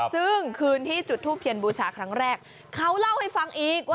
ซึ่งคืนที่จุดทูปเทียนบูชาครั้งแรกเขาเล่าให้ฟังอีกว่า